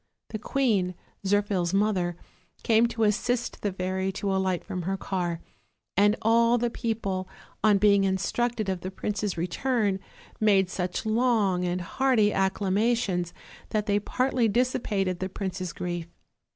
The queen, Zirphil's mother, came to assist the fairy to alight from her car, and all the people, on being instructed of the prince's return, made such long and hearty acclamations that they partly dissipated the prince's grief.